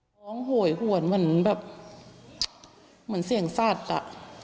ห่วงห่วยห่วนเหมือนแบบเหมือนเสียงซาดอะ